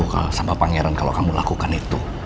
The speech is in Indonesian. semakin jauh sampah pangeran kalau kamu lakukan itu